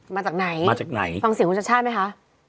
มาจากไหนฟังสิจุชัชชาธิ์ไหมคะ